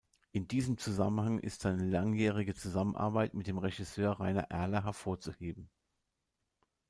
In diesem Zusammenhang ist seine langjährige Zusammenarbeit mit dem Regisseur Rainer Erler hervorzuheben.